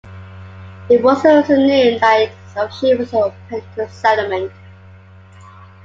It wasn't until noon that it officially was opened to settlement.